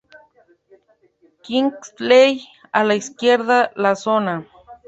Kingsley a la izquierda la zona.